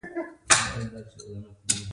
آیا دوی نه غواړي له نړۍ سره اړیکه ولري؟